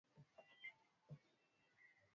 watu viongozi wanaopewa madaraka wanapewa uwezo waku